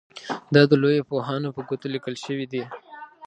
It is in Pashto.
دا د لویو پوهانو په ګوتو لیکل شوي دي.